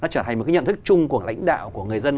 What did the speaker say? thành một cái nhận thức chung của lãnh đạo của người dân